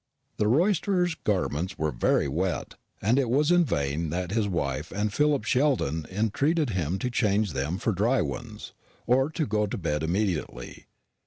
The roisterer's garments were very wet, and it was in vain that his wife and Philip Sheldon entreated him to change them for dry ones, or to go to bed immediately.